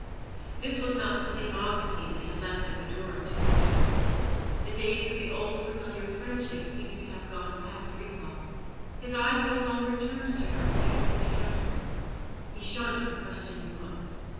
This was not the same Augustine that they had left at Madaura two years ago. The days of the old familiar friendship seemed to have gone past recall. His eyes no longer turned to her with the old candour; he shunned her questioning look.